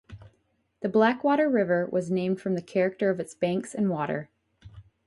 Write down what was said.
The Blackwater River was named from the character of its banks and water.